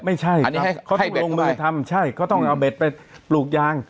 ไม่ใช่อันนี้เขาต้องลงมือทำใช่เขาต้องเอาเบ็ดไปปลูกยาง